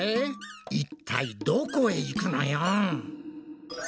いったいどこへ行くのよん？